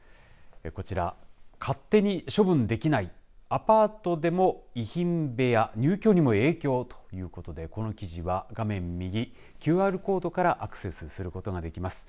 こちら勝手に処分できないアパートでも遺品部屋入居にも影響ということでこの記事は画面右ＱＲコードからアクセスすることができます。